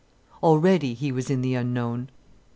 Already he was in the unknown.